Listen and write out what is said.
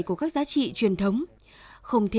có các giá trị truyền thống